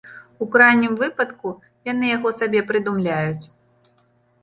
У крайнім выпадку, яны яго сабе прыдумляюць.